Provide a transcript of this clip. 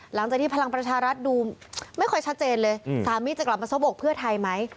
หลังจากที่พลังประชารัฐดูไม่ค่อยชัดเจนเลยสามีจะกลับมาซบอกเพื่อไทยไหม